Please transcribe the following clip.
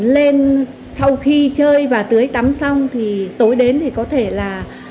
lên sau khi chơi và tưới tắm xong thì tối đến thì có thể là